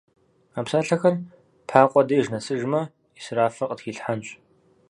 А псалъэхэр Пакъуэ деж нэсыжмэ, ӏисрафыр къытхилъхьэнщ.